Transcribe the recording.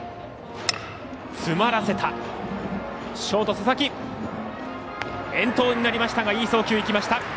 ショート佐々木遠投になりましたがいい送球がいきました。